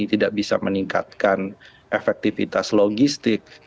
tidak bisa meningkatkan efektivitas logistik